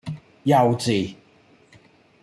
幼稚!